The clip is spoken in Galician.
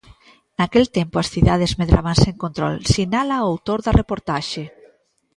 Naquel tempo, as cidades medraban sen control, sinala o autor da reportaxe.